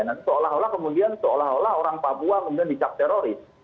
nanti seolah olah kemudian seolah olah orang papua kemudian dicak teroris